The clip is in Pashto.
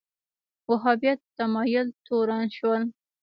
وهابیت تمایل تورن شول